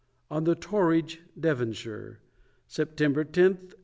On the Torridge, Devonshire, September 10, 1849.